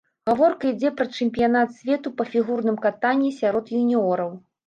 Гаворка ідзе пра чэмпіянат свету па фігурным катанні сярод юніёраў.